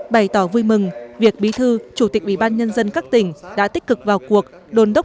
bày tỏ vui mừng việc bí thư chủ tịch ủy ban nhân dân các tỉnh đã tích cực vào cuộc đồn đốc